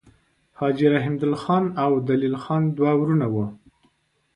حاجي رحمدل خان او دلیل خان دوه وړونه وه.